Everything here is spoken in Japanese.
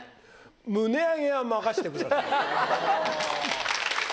ムネ上げは任してください。